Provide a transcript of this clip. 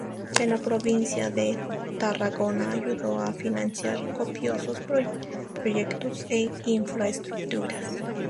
En la provincia de Tarragona ayudó a financiar copiosos proyectos e infraestructuras.